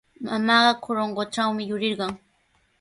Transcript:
Mamaaqa Corongotrawmi yurirqan.